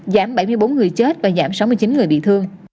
giảm bảy mươi bốn người chết và giảm sáu mươi chín người bị thương